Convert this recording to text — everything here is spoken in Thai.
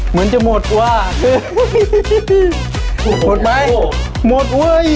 เหมือนจะหมดว่ะหมดไหมหมดเว้ย